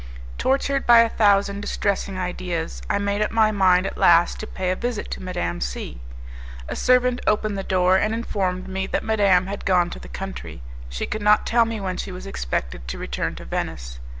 Tortured by a thousand distressing ideas, I made up my mind at last to pay a visit to Madame C . A servant opened the door, and informed me that madame had gone to the country; she could not tell me when she was expected to return to Venice.